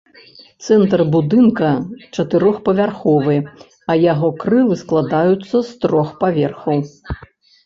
Цэнтр будынка чатырохпавярховы, а яго крылы складаюцца з трох паверхаў.